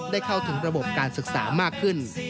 ได้เข้าถึงระบบการศึกษามากขึ้น